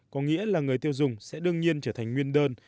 có nghĩa là người tiêu dùng sẽ đương nhiên trở thành nguyên đơn